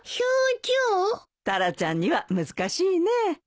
タラちゃんには難しいね。